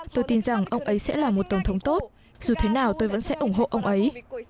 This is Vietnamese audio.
tôi tin rằng ông ấy sẽ là một tổng thống tốt dù thế nào tôi vẫn sẽ ủng hộ ông ấy